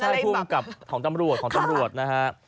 ใช่ใช่ผู้กำกับของตำรวจของตำรวจนะฮะ